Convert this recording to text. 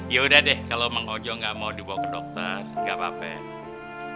yaudah deh kalo bang ojo gak mau dibawa ke dokter gak apa apa ya